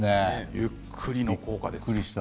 ゆっくりの効果ですね。